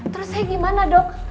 terus saya gimana dok